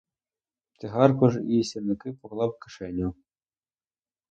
Цигарку ж і сірники поклав у кишеню.